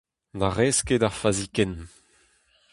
Na rez ket ar fazi ken !